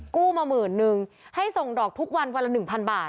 กู้มาหมื่นนึงให้ส่งดอกทุกวันวันละ๑๐๐บาท